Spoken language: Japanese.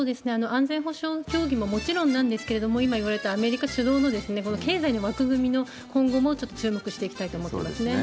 安全保障協議ももちろんなんですけれども、今言われたアメリカ主導の、この経済の枠組みの、今後もちょっと注目していきたいと思いますね。